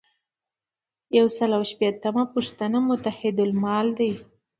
یو سل او یو شپیتمه پوښتنه متحدالمال ده.